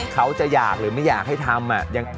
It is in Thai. เขาจะอยากหรือไม่อยากให้ทำ